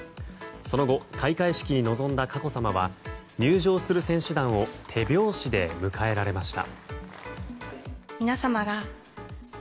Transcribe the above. その後、開会式に臨んだ佳子さまは入場する選手団を手拍子で迎えられました。